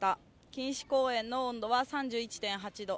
錦糸公園の温度は３１．８度。